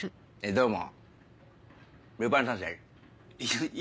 どうも！